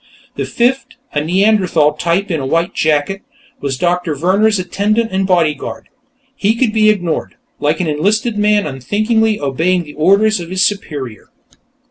The fifth, a Neanderthal type in a white jacket, was Doctor Vehrner's attendant and bodyguard; he could be ignored, like an enlisted man unthinkingly obeying the orders of a superior.